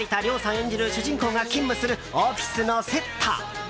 演じる主人公が勤務するオフィスのセット。